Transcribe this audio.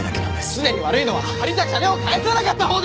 常に悪いのは借りた金を返さなかったほうで！